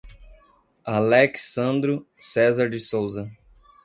Alex Sandro Cesar de Sousa